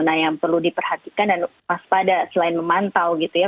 nah yang perlu diperhatikan dan waspada selain memantau gitu ya